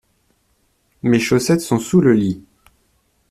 Mes chaussettes sont sous le lit.